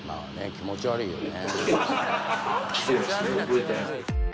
気持ち悪いよね。